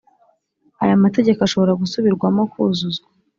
Aya mategeko ashobora gusubirwamo kuzuzwa